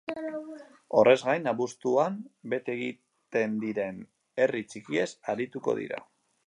Horrez gain, abuztuan bete egiten diren herri txikiez arituko dira.